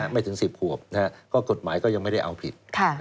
ไม่ถึง๑๐ขวบก็กฎหมายก็ยังไม่ได้เอาผิด